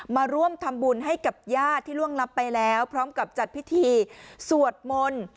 มาร่วมทำบุญให้กับญาติที่ล่วงลับไปแล้วพร้อมกับจัดพิธีสวดมนต์